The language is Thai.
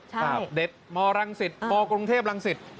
ใช่ครับเด็กมอรังสิทธิ์อืมมอกรุงเทพรังสิทธิ์